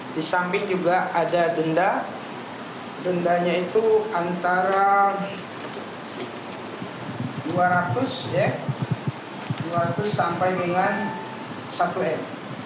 di samping juga ada denda dendanya itu antara dua ratus sampai dengan satu m